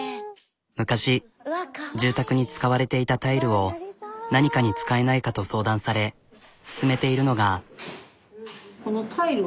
昔住宅に使われていたタイルを何かに使えないかと相談され進めているのが。